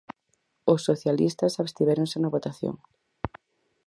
Os socialistas abstivéronse na votación.